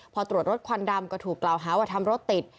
พอตรวจรถควันดำก็ถูกกล่าวหาว่าทำรถติด